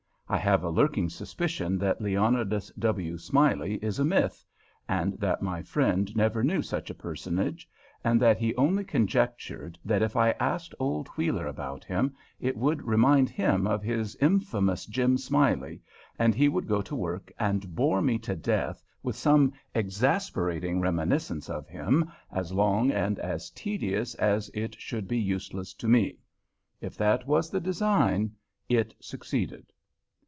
I have a lurking suspicion that Leonidas W. Smiley is a myth; and that my friend never knew such a personage; and that he only conjectured that if I asked old Wheeler about him, it would remind him of his infamous Jim Smiley, and he would go to work and bore me to death with some exasperating reminiscence of him as long and as tedious as it should be useless to me. If that was the design, it succeeded.